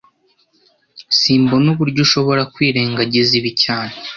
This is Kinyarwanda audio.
Simbona uburyo ushobora kwirengagiza ibi cyane